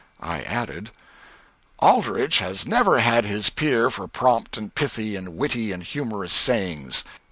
I added "Aldrich has never had his peer for prompt and pithy and witty and humorous sayings.